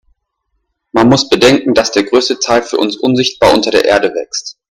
Man muss bedenken, dass der größte Teil für uns unsichtbar unter der Erde wächst.